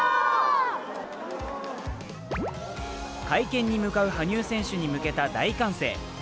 会見に向かう羽生選手に向けた大歓声。